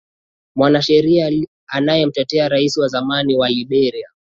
mwanasheria anayemtetea rais wa zamani wa liberia